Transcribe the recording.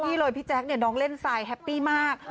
และพี่แจ๊กเล่นสายแฮปปี้มาก